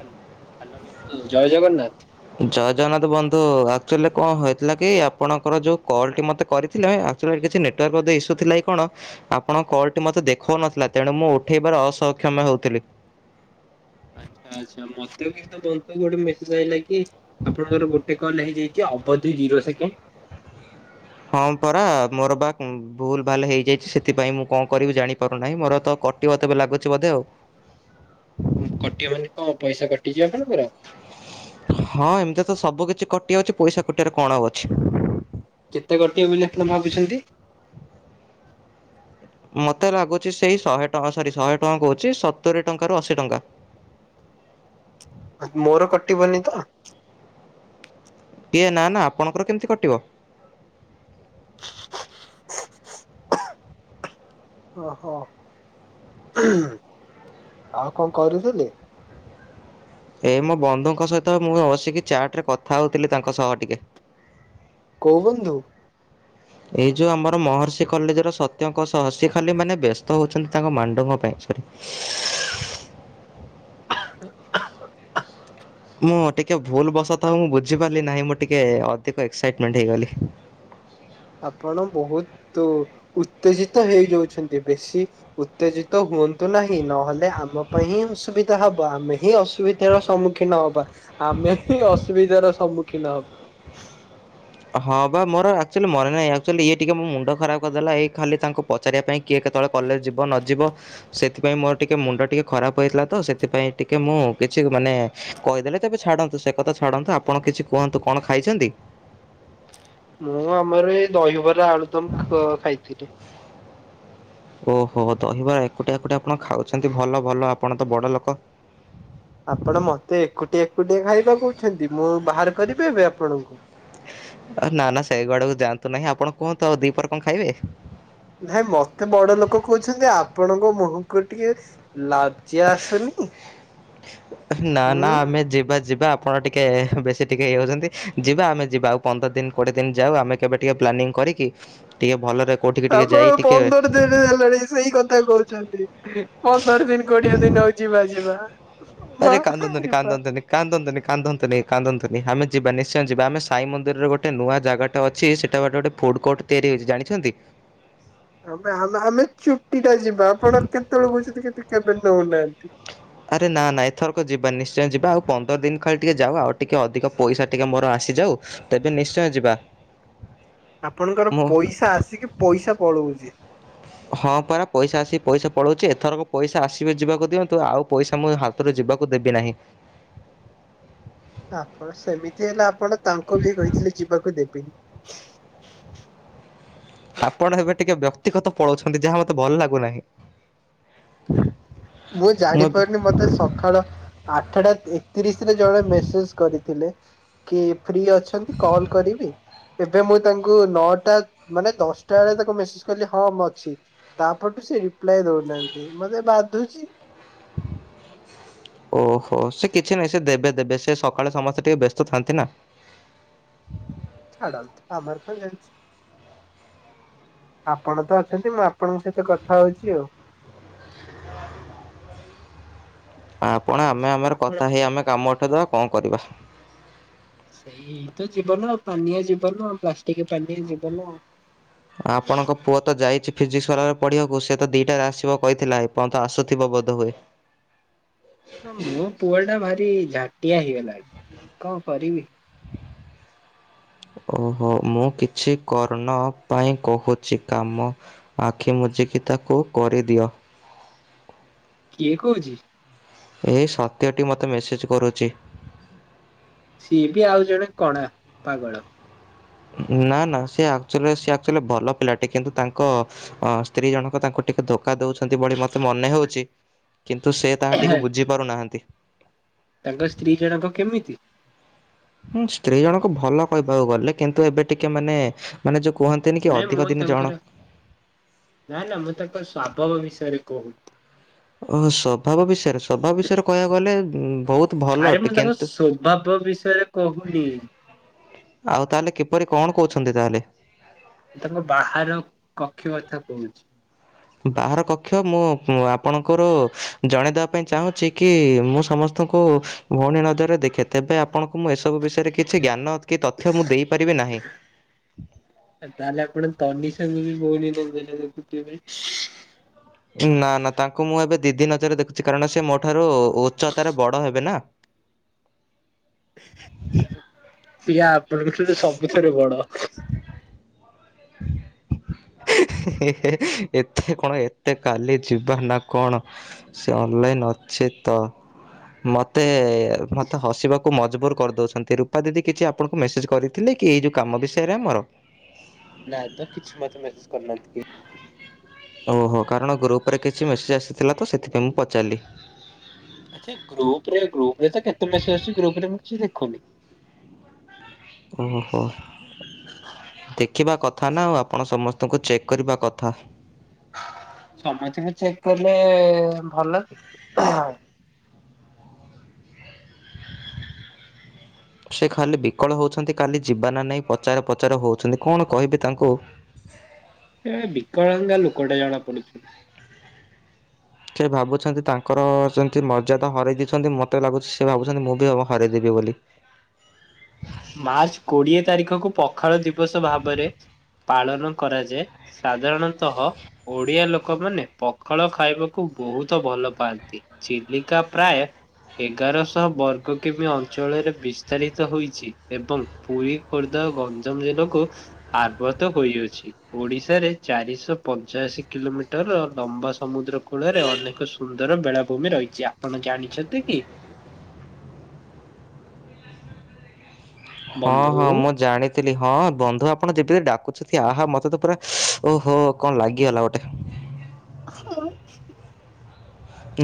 Hello hello ବନ୍ଧୁ ଜୟ ଜଗନ୍ନାଥ। ଜୟ ଜଗନ୍ନାଥ ବନ୍ଧୁ ଆକଚୋଲିରେ କଣ ହେଇଥିଲା କି ଆପଣଙ୍କର ଯୋଉ କଲଟି ମତେ କରିଥିଲେ ଆ କଚୋଲି ଏଠି କିଛି ନେଟୱାର୍କ ବୋଧେ ଇସୁ ଥିଲା କି କଣ ଆପଣଙ୍କ କଲଟି ମତେ ଦେଖୋଉ ନଥୁଲା ତେଣୁ ମୁଁ ଉଠେଇବାରେ ଅସକ୍ଷମ ହୋଉଥିଲି। ଆଚ୍ଛା ଆଚ୍ଛା ମତେ ବି ତ କନ ତ ଗୋଟେ ମେସେଜ ଆଇଲା କି ଆପଣଙ୍କର ଗୋଟେ କଲ ହେଇଯାଇ ଚି ଅବଧି ଜିରୋ ସେକେଣ୍ଡ। ହଁ ପରା ମୋର ପା କୁଁ ଭୁଲ ଭାଲ ହେଇଯାଇଚି ସେଥିପାଇଁ ମୁଁ କଣ କରିବି ଜାଣି ପାରୁନାହିଁ ମୋର ତ କ ଟିବ ତେବେ ଲାଗୁଚି ବୋଧେ ଆଉ। ଉଁ କଟିିବ ମାନେ କଁ ପଇସା କଟିଯିବ ଆପଣଙ୍କର? ହଁ ଏମତି ତ ସବୁ କିଛି କଟିଯାଉଚି ପଇସା କଟିବାରେ କଣ ଆଉ ଅଛି। କେତେ କଟିବ ବୋଲି ଆପଣ ଭାବୁଛନ୍ତି? ମତେ ଲାଗୁଚି ସେଇ ଶହେ ଟ ସରି ଶହେ ଟଙ୍କା କୋହୁଚି ସତୁରି ଟଙ୍କାରୁ ଅଶୀ ଟଙ୍କା। ମୋର କଟିିବନି ତ? ଟିଏ ନା ନା ଆପଣଙ୍କର କେମତି କଟିବ? ଓହୋ ଆଉ କଣ କରୁଥୁଲେ? ଏ ମୋ ବନ୍ଧୁଙ୍କ ସହିତ ମୁଁ ଅ ବସିକି ଚାଟରେ କଥା ହୋଉଥିଲି ତାଙ୍କ ସହ ଟିକେ। କୋଉ ବନ୍ଧୁ? ଏଇ ଯୋଉ ଆମର ମହର୍ଷି କଲେଜର ସତ୍ୟଙ୍କ ସହ ସେ ଖାଲି ମାନେ ବ୍ୟସ୍ତ ହୋଉଚନ୍ତି ତାଙ୍କ ମାଣ୍ଡୁଙ୍କ ପାଇଁ ସରି। ମୁଁ ଟିକେ ଭୁଲ ବସତହ ମୁଁ ବୁଝିପାରଲି ନାହିଁ ମୁଁ ଟିକେ ଅଧିକ ଏକ୍ସାଇଟମେଣ୍ଟ ହେଇଗଲି। ଆପଣ ବୋହୁତୁ ଉତ୍ତେଜିତ ହେଇଯାଉଛନ୍ତି ବେଶୀ ଉତ୍ତେଜିତ ହୁଅନ୍ତୁ ନାହିଁ ନହଲେ ଆମ ପାଇଁ ହିଁ ଅସୁବିଧା ହବ ଆମେ ହିଁ ଅସୁବି ଧାର ସମ୍ମୁଖୀନ ହବା ଆମେ ହିଁ ଅସୁବିଧାର ସମ୍ମୁଖୀନ ହ ହଁ ପା ମୋର ଆକଚୋଲି ମନେ ନାହିଁ ଆକଚୋଲି ଇଏ ଟିକେ ମୋ ମୁଣ୍ଡ ଖରାପ କରିଦେଲା ଏଇ ଖାଲି ତାଙ୍କ ପଚାରିବା ପାଇଁ କିଏ କେତେବେଳେ କଲେଜ ଯିବ ନଯିବ ସେଥିପାଇଁ ମୋର ଟିକେ ମୁଣ୍ଡ ଟିକେ ଖରାପ ହେଇଥିଲା ତ ସେଥିପାଇଁ ଟିକେ ମୁଁ କିଛି ମାନେ କହିଦେଲେ ତେବେ ଛାଡନ୍ତୁ ସେ କଥା ଛାଡନ୍ତୁ ଆପଣ କିଛି କୁହନ୍ତୁ କଣ ଖାଇଚନ୍ତି? ମୁଁ ଆମର ଏଇ ଦହିବରା ଆଳୁଦମ ଖ-ଖାଇଥିଲି। ଓହୋ ଦହିବରା ଏକୁଟିଆ ଏକୁଟିଆ ଆପଣ ଖାଉଛନ୍ତି ଭଲ ଭଲ ଆପଣ ତ ବଡ ଲୋକ। ଆପଣ ମତେ ଏକୁଟିଆ ଏକୁଟିଆ ଖାଇବା କୋହୁଛନ୍ତି ମୁଁ ବାହାର କରିବି ଏବେ ଆପଣଙ୍କୁ ଆଉ ନା ନା ସେଇ ଆଡକୁ ଯାଆନ୍ତୁ ନାହିଁ ଆପଣ କୁହନ୍ତୁ ଆଉ ଦିପହରେ କଣ ଖାଇବେ? ନାହିଁ ମତେ ବଡ ଲୋକ କୋହୁଛନ୍ତି ଆପଣଙ୍କ ମୁହଁକୁ ଟିକେ ଲଜ୍ଜ୍ୟା ଆସୁନି। ନା ହୁଁ ନା ଆମେ ଯିବା ଯିବା ଆ ଆପଣ ଟିକେ ବେଶୀ ଟିକେ ଇଏ ହୋଉଚନ୍ତି ଯିବା ଆମେ ଯିବା ଆଉ ପନ୍ଦର ଦିନ କୋଡ଼ିଏ ଦିନ ଯାଉ ଆମେ କେବେ ଟିକେ ପ୍ଲାନିଙ୍ଗ କରିକି ଟିକେ ଭଲରେ କୋଉଠିକି ଟିକେ ଆପଣ ଯାଇ ଟିକେ ପନ୍ଦର ଦିନ ହେଲାଣି ସେଇ କଥା କୋହୁଛନ୍ତି ପନ୍ଦର ଦିନ କୋଡିଏ ଦିନ ହୋଉ ଯିବା ଯିବା ହ ବା କାନ୍ଦନ୍ତୁନି ଆରେ ବା। କାନ୍ଦନ୍ତୁନି କାନ୍ଦନ୍ତୁନି କାନ୍ଦନ୍ତୁନି କାନ୍ଦନ୍ତୁନି ଆମେ ଯିବା ନିଶ୍ଚୟ ଯିବା ଆମେ ସାଇ ମନ୍ଦିରରେ ଗୋଟେ ନୂଆ ଜାଗାଟେ ଅଛି ସେଟା ବାଟେ ଗୋଟେ ଫୁଡ କୋର୍ଟ ତିଆରି ହୋଉଛି ଜାଣିଛନ୍ତି? ଆମେ ହାଉଲେ ହାଉଲେ ଚୁଟିଟା ଯିବା ଆପଣ କେତୋଳେ କୋହୁଚନ୍ତି କିନ୍ତୁ କେବେ ନୋଉନାହାନ୍ତି। ଆରେ ନାଁ ନାଁ ଏଥରକ ଯିବା ନିଶ୍ଚୟ ଯିବା ଆଉ ପନ୍ଦର ଦିନ ଖାଲି ଟିକେ ଯାଉ ଆଉ ଟିକେ ଅଧିକ ପଇସା ଟିକେ ମୋର ଆସିଯାଉ ତେବେ ନିଶ୍ଚୟ ଯିବା। ଆପଣଙ୍କର ମୁଁ ପଇସା ଆସିକି ପଇସା ପଳୋଉଚି। ହଁ ପରା ପଇସା ଆସିକି ପଇସା ପଳୋଉଚି ଏଥରକ ପଇସା ଆସିବେ ଯିବାକୁ ଦିଅନ୍ତୁ ଆଉ ପଇସା ମୁଁ ହା ତରୁ ଯିବାକୁ ଦେବିନାହିଁ। ଆପଣ ସେମିତି ହେଲେ ଆପଣ ତାଙ୍କୁ ବି କହିଥିଲେ ଯିବାକୁ ଦେବିନି। ଆପଣ ଏବେ ଟିକେ ବ୍ୟକ୍ତିଗତ ପଳୋଉଛନ୍ତି ଯାହା ମତେ ଭଲ ଲାଗୁନାହିଁ। ମୁଁ ଜାଣି ପାରୁନି ମତେ ସ ସଖାଳ ଆଠଟା ଏକତିରିଶରେ ଜଣେ ମେସେଜ କରିଥିଲେ। କି ଫ୍ରି ଅଛନ୍ତି କଲ କରିବି? ଏବେ ମୁଁ ତାଙ୍କୁ ନଅଟା ମାନେ ଦଶଟା ବେଳେ ତାକୁ ମେସେଜ କଲି ହଁ ମୁଁ ଅଛି। ତା ପରଠୁ ସେ ରିପ୍ଲାଏ ଦଉନାହାନ୍ତି ମତେ ବାଧୁଚି। ଓହୋ ସେ କିଛି ନାହିଁ ସେ ଦେବେ ଦେବେ ସେ ସକାଳେ ସମସ୍ତେ ଟିକେ ବ୍ୟସ୍ତ ଥାନ୍ତି ନା। ଛାଡନ୍ତୁ ଆମର କଣ ଯାଉଚି। ଆପଣ ତ ଅଛନ୍ତି ମୁଁ ଆପଣଙ୍କ ସହିତ କଥା ହଉଚି ଆଉ। ଆପଣ ଆମେ ଆମର ଆପଣ କଥା ହେଇ ଆମେ କାମ ଉଠେଇଦେବା କଣ କରିବା। ଏଇ ତ ଜୀବନ ପାନିଆ ଜୀବନ ପ୍ଲାଷ୍ଟିକ ପାନୀଆ ଜୀବନ। ଆପଣଙ୍କ ପୁଅ ତ ଯାଇଚି ଫିଜିକ୍ସ ୱାଲାରେ ପଢ଼ିବାକୁ ସିଏ ତ ଦିଇଟାରେ ଆସିବ କହିଥିଲା ଏ ପର୍ଯ୍ୟନ୍ତ ଆସୁଥିବ ବୋଧହୁଏ। ହଁ ମୋ ପୁଅ ଟା ଭାରି ଝାଟିଆ ହେଇଗଲାଣି କଣ କରିବି? ଓହୋ ମୁଁ କିଛି କର୍ଣ୍ଣ ପାଇଁ କହୁଛି କାମ ଆଖି ମୁଜିକି ତାକୁ କରିଦିଅ। କିଏ କହୁଛି? ଏ ସତ୍ୟଟି ମୋତେ ମେସେଜ୍ କରୁଚି। ସିଏ ବି ଆଉ ଜଣେ କଣା ପାଗଳ। ନା ନା ସେ ଆଚୁ ଆକ୍ଚୁଲି ଭଲ ପିଲାଟି କିନ୍ତୁ ତାଙ୍କ ଅ ସ୍ତ୍ରୀ ଜଣକ ତାଙ୍କୁ ଟିକେ ଧୋକା ଦଉଚନ୍ତି ବୋଲି ମତେ ମନେ ହଉଚି। କିନ୍ତୁ ସେ ତାହା ଟିକୁ ବୁଝିପାରୁନାହାନ୍ତି। ତାଙ୍କ ସ୍ତ୍ରୀ ଜଣକ କେମିତି? ହୁଁ ସ୍ତ୍ରୀ ଜଣଙ୍କ ଭଲ କହିବାକୁ ଗଲେ କିନ୍ତୁ ଏବେ ଟିକେ ମାନେ ମାନେ ଯୋଉ କୁହନ୍ତିନି କି ନାଇଁ ମୁଁ ଅଧିକ ଦିନ ତାଙ୍କର ଜଣ ନା ନା ମୁଁ ତାଙ୍କ ସ୍ଵଭାବ ବିଷୟରେ କହୁ ଓହୋ ସ୍ୱଭାବ ବିଷୟରେ ସ୍ୱଭାବ ବିଷୟରେ କହିବାକୁ ଗଲେ ଉଁ ବହୁତ ଭଲ ଅଟେ କିନ୍ତୁ ସ୍ୱଭାବ ବିଷୟରେ କହୁନି ଆଉ ତାହେଲେ କିପରି କଣ କହୁଛନ୍ତି ତାହେଲେ? ମୁଁ ତାଙ୍କ ବାହାର କକ୍ଷ କଥା କହୁଚି। ବାହାର କକ୍ଷ ମୁଁ ଙ୍କୁ ଆପଣଙ୍କର ଜଣେଇଦବା ପାଇଁ ଚାହୁଁଛି କି ମୁଁ ସମସ୍ତଙ୍କୁ ଭଉଣୀ ନଜରରେ ଦେଖେ ତେବେ ଆପଣଙ୍କୁ ମୁଁ ଏସବୁ ବିଷୟରେ କିଛି ଜ୍ଞାନ କି ତଥ୍ୟ ମୁଁ ଦେଇପାରିବି ନାହିଁ। ତ ତାହେଲେ ଆପଣ ତନୀଷା କୁ ବି ଭଉଣୀ ନଜରରେ ଦେଖୁଥିବେ? ନା ନା ତାଙ୍କୁ ମୁଁ ଏବେ ଦିଦି ନଜରରେ ଦେଖୁଚି କାରଣ ସେ ମୋ ଠାରୁ ଉଚ୍ଚତାରେ ବଡ ହେବେ ନା। ସିଏ ଆପଣଙ୍କ ଠାରୁ ସବୁଥିରେ ବଡ। [inaudible] [inaudible] ଏତେ କଣ ଏତେ କାଲି ଯିବା ନା କଣ? ସେ ଅନନଲାଇନ ଅଛି ତ। ମୋତେ ମୋତେ ହସିବାକୁ ମଜବୁର କରିଦଉଛନ୍ତି ରୂପା ଦିଦି କିଛି ଆପଣଙ୍କୁ ମେସେଜ୍ କରି ଥିଲେ କି ଏଇ ଯୋଉ କାମ ବିଷୟରେ ଆମର? ନାଇଁ ତ କିଛି ମତେ ମେସେଜ କରିନାହାନ୍ତି କେହି। ଓହୋ କାରଣ ଗ୍ରୁପରେ କିଛି ମେସେଜ୍ ଆସିଥିଲା ତ ସେଥିପାଇଁ ମୁଁ ପଚାରିଲି। ଆଚ୍ଛା ଗ୍ରୁପ ରେ ଗ୍ରୁପ ରେ ତ କେତେ ମେସେଜ ଅଶୁଚି ଗ୍ରୁପ ରେ ମୁଁ କିଛି ଦେଖୁନି। ଓହୋ। ଦେଖିବା କଥା ନା ଆଉ ଆପଣ ସମସ୍ତଙ୍କୁ ଚେକ୍ କରିବା କଥା। ସମସ୍ତଙ୍କୁ ଚେକ୍ କଲେ ଭଲ କି। ସେ ଖାଲି ବିକଳ ହଉଛନ୍ତି କାଲି ଯିବ ନା ନାହିଁ ପଚାର ପ୍ରଚାର ହଉଚନ୍ତି କଣ କହିବି ତାଙ୍କୁ। ଏ ବିକଳଙ୍ଗା ଲୋକଟା ଜଣା ପଡୁଚି। ସେ ଭାବୁଚନ୍ତି ତାଙ୍କର ଯେମିତି ମର୍ଯ୍ୟାାଦା ହରେଇ ଦେଇଚନ୍ତି ମତେ ଲାଗୁଚି ସେ ଭାବୁଚନ୍ତି ମୁଁ ବି ହରେଇ ଦେବି ବୋଲି। ମାର୍ଚ୍ଚ କୋଡିଏ ତାରିଖକୁ ପଖାଳ ଦିବସ ଭାବରେ ପାଳନ କରାଯାଏ। ସାଧାରଣତଃ ଓଡିଆ ଲୋକମାନେ ପଖାଳ ଖାଇବାକୁ ବହୁତ ଭଲ ପାଆନ୍ତି। ଚିଲିିକା ପ୍ରାୟ ଏଗାରଶହ ବର୍ଗ କିମି ଅଞ୍ଚଳରେ ବିସ୍ତାରିତ ହୋଇଚି। ଏବଂ ପୁରୀ, ଖୋର୍ଦ୍ଧା, ଗଞ୍ଜାମ ଜିଲ୍ଲାକୁ ଆବ୍ରତ ହୋଇଅଛି ଓଡିଶାରେ ଚାରିଶ ପଞ୍ଚାଅଶୀ କିଲୋମିଟର ଲମ୍ବା ସମୁଦ୍ର କୂଳରେ ଅନେକ ସୁନ୍ଦର ବେଳାଭୂମି ରହିଚି ଆପଣ ଜାଣିଛନ୍ତି କି? ହଁ- ବନ୍ଧୁ? ହଁ ମୁଁ ଜାଣି ଥିଲି ହଁ ବନ୍ଧୁ ଆପଣ ଯେତେ ଡାକୁଚନ୍ତି ଆହା ମତେ ତ ପୁରା ଓହୋ କଣ ଲାଗିଗଲା ଗୋଟେ। ହଁ।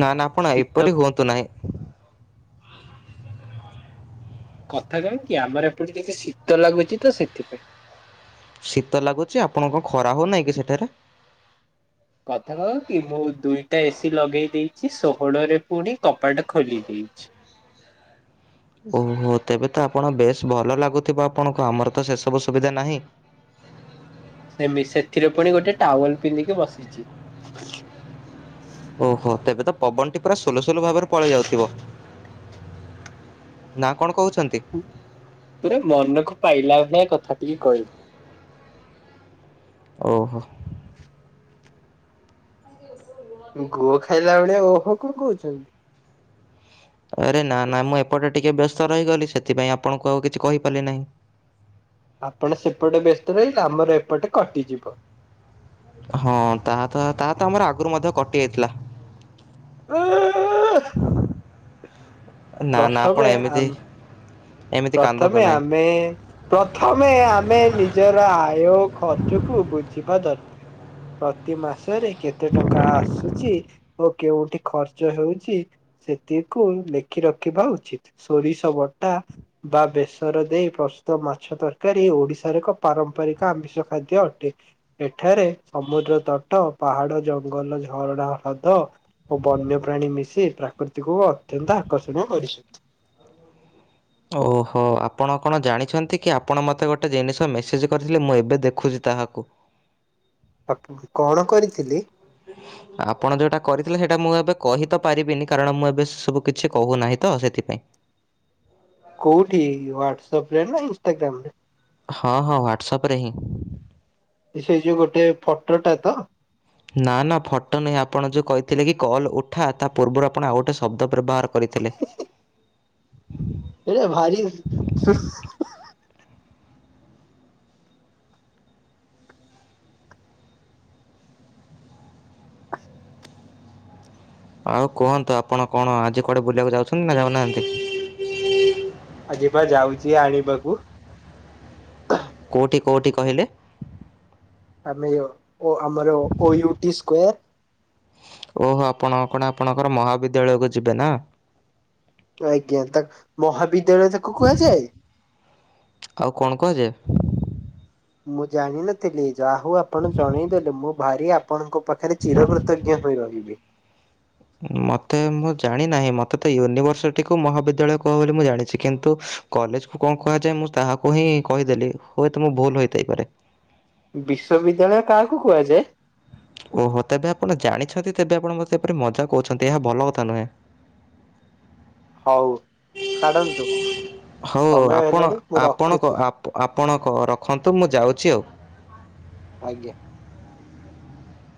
ନା -ନା ଆପଣ ଏପରି ହୁଅନ୍ତୁ ନାହିଁ। କଥା କଣ୍ କି ଆମର ଏପଟେ ଟିକେ ଶୀତ ଲାଗୁଚି ତ ସେଥିପାଇଁ। ଶୀତ ଲାଗୁଚି ଆପଣ କଣ ଖରା ହଉନାହିଁ କି ସେଠାରେ? କଥା କଣ୍ କି ମୁଁ ଦୁଇଟା ଏସିି ଲଗେଇ ଦେଇଚି ଷୋହଳରେ ପୁଣି କବାଟ ଖୋଲି ଦେଇଚି। ଓହୋ ତେବେ ତ ଆପଣ ବେଶ୍ ଭଲ ଲାଗୁଥିବ ଆପଣଙ୍କୁ ଆମର ତ ସେ ସବୁ ସୁବିଧା ନାହିଁ। ସେମି- ସେଥିରେ ପୁଣି ଗୋଟେ ଟାୱଲ୍ ପିନ୍ଧିକି ବସିଚି। ଓହୋ ତେବେ ତ ପବନ ଟି ପୁରା ସୁଲୁସୁଲୁ ଭାବରେ ପଳେଇ ଯାଉଥିବ। ନା କଣ କହୁଛନ୍ତି? ପୁରା ମନକୁ ପାଇଲା ଭଳିଆ କଥାଟିଏ କହିଲ। ଓହୋ। ଗୁହ ଖାଇଲା ଭଳିଆ ଓହ କଣ କହୁଚୁ। ଆରେ ନା -ନା ମୁଁ ଏପଟେ ଟିକେ ବ୍ୟସ୍ତ ରହିଗଲି ସେଥିପାଇଁ ଆପଣଙ୍କୁ ଆଉ କିଛି କହିପାରିଲି ନାହିଁ। ଆପଣ ସେପଟେ ବ୍ୟସ୍ତ ରହିଲେ ଆମର ଏପଟେ କଟିଯିବ। ହଁ ତାହା ତ- ତାହା ତ ଆମର ଆଗୁରୁ ମଧ୍ୟ କଟି ଯାଇଥିଲା। [inaudible] ନା ନା ଆପଣ ପ୍ରଥମେ ଏମିତି ଆମ୍ ଏମିତି କାନ୍ଦନ୍ତୁ ପ୍ରଥମେ ନାହିଁ। ଆମେ ପ୍ରଥମେ ଆମେ ନିଜର ଆୟ ଓ ଖର୍ଚ୍ଚକୁ ବୁଝିବା ଦରକାର୍। ପ୍ରତି ମାସରେ କେତେ ଟଙ୍କା ଆସ୍ ଆସୁଚି ଓ କେଉଠି ଖର୍ଚ୍ଚ ହେଉଚି ସେତିକୁ ଲେଖି ରଖିବା ଉଚିତ୍ ସୋରିଷ ବଟା ବା ବେସର ଦେଇ ପ୍ରସ୍ତୁତ ମାଛ ତରକାରୀ ଓଡିଶାର ଏକ ପାରମ୍ପରିକ ଆମିଷ ଖାଦ୍ୟ ଅଟେ। ଏଠାରେ ସମୁଦ୍ର ତଟ, ପାହାଡ, ଜଙ୍ଗଲ, ଝରଣା ହ୍ରଦ ଓ ବନ୍ୟ ପ୍ରାଣୀ ମିଶି ପ୍ରାକୃତିକକୁ ଅତ୍ୟନ୍ତ ଆକର୍ଷଣୀୟ କରିଛନ୍ତି। ଓହୋ ଆପଣ କଣ ଜାଣିଚନ୍ତି କି ଆପଣ ମତେ ଗୋଟେ ଜିନିଷ ମେସେଜ୍ କରିଥିଲେ ମୁଁ ଏବେ ଦେଖୁଛି ତାହାକୁ। ଆ- କଣ କରିଥିଲି? ଆପଣ ଯଉଟା କରିଥିଲେ ସେଇଟା ମୁଁ ଏବେ କହି ତ ପାରିବିନି କାରଣ ମୁଁ ଏବେ ସବୁ କିଛି କହୁନାହିଁ ତ ସେଥିପାଇଁ। କଉଠି ହ୍ଵାଟ୍ସପ୍ ରେ ନା ଇନଷ୍ଟାଗ୍ରାମ୍ ରେ? ହଁ- ହଁ ହ୍ୱାଟ୍ସଆପ୍ ରେ ହିଁ। ଏ ସେଇ ଯଉ ଗୋଟେ ଫଟୋ ଟା ତ? ନା- ନା ଫଟୋ ନାହିଁ ଆପଣ ଯଉ କହିଥିଲେ କି କଲ୍ ଉଠା ତା ପୂର୍ବରୁ ଆପଣ ଆଉ ଗୋଟେ ଶବ୍ଦ ବ୍ୟବହାର କରିଥିଲେ। ଏ ଭାଇ‌ ଆଉ କୁହନ୍ତୁ ଆପଣ କଣ ଆଜି କୁଆଡେ ବୁଲିବାକୁ ଯାଉଚନ୍ତି ନା ଯାଉନାହାନ୍ତି? ଆଜି ବା ଯାଉଚି ଆଣିବା କୁ। କଉଠି- କଉଠି କହିଲେ? ଆମେ ଓ ଆମର ଓ ୟୁଟି ସ୍କୋୟାର୍। ଓହୋ ଆପଣ କଣ ଆପଣଙ୍କର ମହାବିଦ୍ୟାଳୟକୁ ଯିବେ ନା? ଆଜ୍ଞା ତା- ମହାବିଦ୍ୟାଳୟ ତାକୁ କୁହାଯାଏ? ଆଉ କଣ କୁହାଯାଏ। ମୁଁ ଜାଣିନଥିଲି ଯାହୁ ଆପଣ ଜଣେଇ ଦେେଲେ ମୁଁ ଭାରି ଆ ପଣଙ୍କ ପାଖରେ ଚିରକୃତଜ୍ଞ ହୋଇ ରହିବି। ମୋତେ ମୁଁ ଜାଣିନାହିଁ ମୋତେ ତ ୟୁନିଭର୍ସିଟିକୁ ମହାବିଦ୍ୟାଳୟ କୁହ ବୋଲି ମୁଁ ଜାଣିଛି କିନ୍ତୁ କଲେଜ କୁ କଣ କୁହାଯାଏ ମୁଁ ତାହାକୁ ହିଁ କହିଦେଲି ହୁଏତ ମୁଁ ଭୁଲ ହୋଇଥାଇପାରେ। ବିଶ୍ବିଦ୍ୟାଳୟ କାହାକୁ କୁହାଯାଏ। ଓହୋ ତେବେ ଆପଣ ଜାଣିଛନ୍ତି ତେବେ ଆପଣ ମତେ ଏପରି ମଜା କହୁଛନ୍ତି ଏହା ଭଲ କଥା ନୁହେଁ। ହଉ ଛାଡନ୍ତୁ। ହଉଉ ସମୟ ଆପଣ ହେଲାଣି ମୁଁ ଆପଣକ ରଖୁଛି ଆପଣକ ରଖନ୍ତୁ ମୁଁ ଯାଉଛି ଆଉ। ଆଜ୍ଞା।